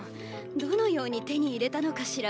どのように手に入れたのかしら？